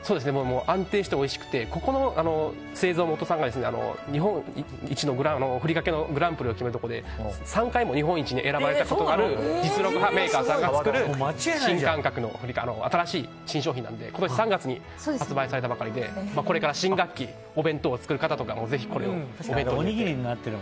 安定しておいしくてここの製造元さんが日本一のふりかけのグランプリを決めるところで３回も日本一に選ばれたことがある実力はメーカーさんが作る新感覚の新商品なので今年３月に発売されたばかりでこれから新学期お弁当を作る方とかもぜひお弁当にして。